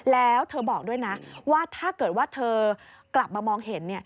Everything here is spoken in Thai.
แล้วเธอบอกด้วยนะว่าถ้าเกิดว่าเธอกลับมามองเห็น